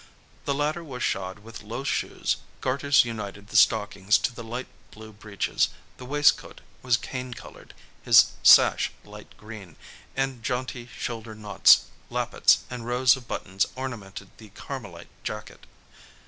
The latter was shod with low shoes, garters united the stockings to the light blue breeches, the waistcoat was cane colored, his sash light green, and jaunty shoulder knots, lappets, and rows of buttons ornamented the carmelite jacket.